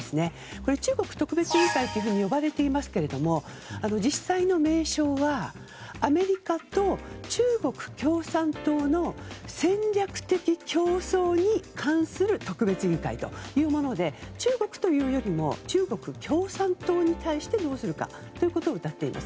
これ、中国特別委員会と呼ばれていますが実際の名称はアメリカと中国共産党の戦略的競争に関する特別委員会というもので中国というよりも中国共産党に対してどうするかということをうたっています。